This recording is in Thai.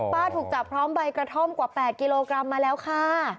ถูกจับพร้อมใบกระท่อมกว่า๘กิโลกรัมมาแล้วค่ะ